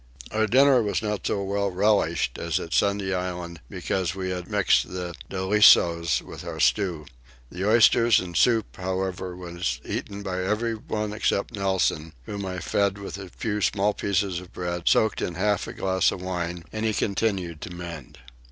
Our dinner was not so well relished as at Sunday Island because we had mixed the dolichos with our stew. The oysters and soup however were eaten by everyone except Nelson whom I fed with a few small pieces of bread soaked in half a glass of wine, and he continued to mend.